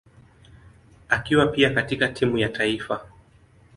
akiwa pia katika timu ya taifa.